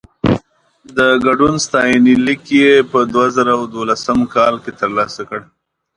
د ګډون ستاینلیک يې په دوه زره دولسم کال کې ترلاسه کړ.